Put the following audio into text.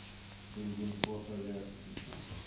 He was given four photographs to choose from.